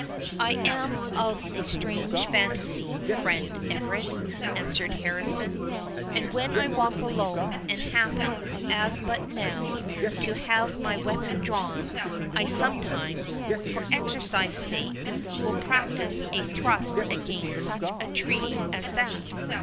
"I am of a strange fantasy, friend Everard," answered Harrison; "and when I walk alone, and happen, as but now, to have my weapon drawn, I sometimes, for exercise' sake, will practise a thrust against such a tree as that.